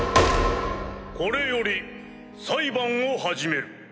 これより裁判を始める。